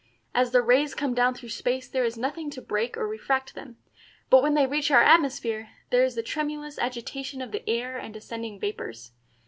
As the rays come down through space there is nothing to break or refract them, but when they reach our atmosphere, there is the tremulous agitation of the air and ascending vapors.